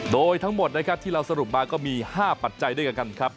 โดยทั้งหมดนะครับที่เราสรุปมาก็มี๕ปัจจัยด้วยกันครับ